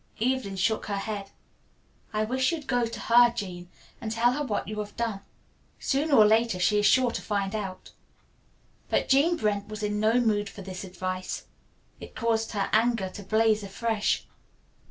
Evelyn shook her head. "I wish you'd go to her, Jean, and tell her what you have done. Sooner or later she is sure to find it out." But Jean Brent was in no mood for this advice. It caused her anger to blaze afresh.